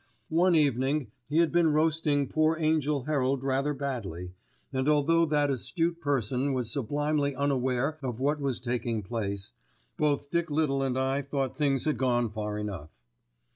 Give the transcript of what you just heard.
One evening he had been roasting poor Angell Herald rather badly, and although that astute person was sublimely unaware of what was taking place, both Dick Little and I thought things had gone far enough.